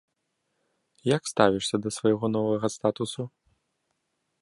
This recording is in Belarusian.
Як ставішся да свайго новага статусу?